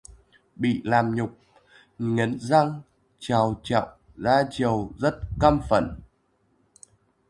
Bị làm nhục, nghiến răng trèo trẹo ra chiều rất căm phẩn